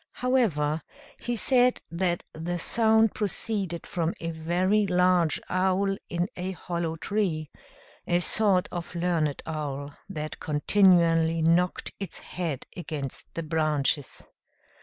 However, he said that the sound proceeded from a very large owl, in a hollow tree; a sort of learned owl, that continually knocked its head against the branches.